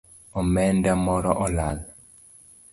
Omenda moro olal